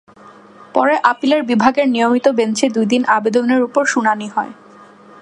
পরে আপিল বিভাগের নিয়মিত বেঞ্চে দুই দিন আবেদনের ওপর শুনানি হয়।